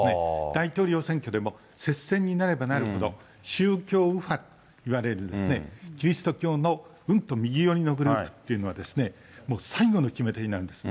大統領選挙でも接戦になればなるほど、宗教右派といわれるキリスト教のうんと右寄りのグループっていうのは、最後の決め手になります。